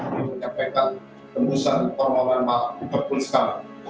saya ingin menyampaikan kembusan hormonan mahal terpulih sekarang